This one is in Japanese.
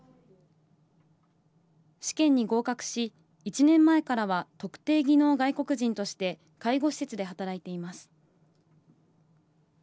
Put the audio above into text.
試験に合格し、１年前からは特定技能外国人として、介護施設で働いています。